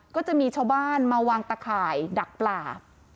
ก็จะมีชาวบ้านมาวางตะข่ายดักปลา